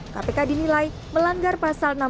kpk dinilai melanggar perintah